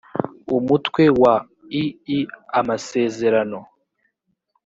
umutwe wa ii amasezerano